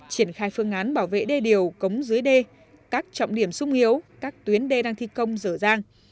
triển khai phương án bảo vệ đê điều cống dưới đê các trọng điểm sung yếu các tuyến đê đang thi công dở dang